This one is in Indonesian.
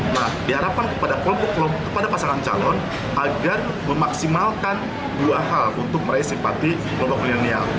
nah diharapkan kepada pasangan calon agar memaksimalkan dua hal untuk meraih simpati kelompok milenial